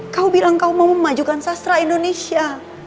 kau bilang kau mau memajukan sastra indonesia